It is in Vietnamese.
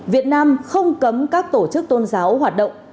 việt nam không cấm các tổ chức tôn giáo hoạt động